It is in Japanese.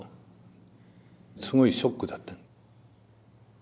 すごいショックだった。